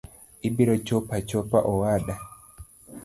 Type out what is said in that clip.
Ibiro chopo achopa owada.